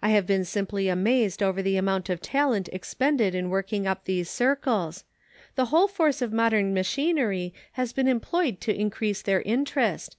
I have been simply amazed over the amount of talent expended in working up these circles. The whole force of modern machinery has been employed to increase their interest.